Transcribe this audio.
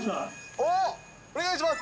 おっ、お願いします。